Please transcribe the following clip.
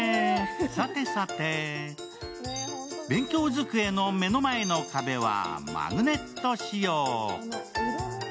さてさて勉強机の目の前の壁はマグネット仕様。